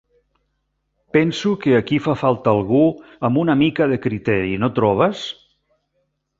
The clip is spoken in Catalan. Penso que aquí fa falta algú amb una mica de criteri, no trobes?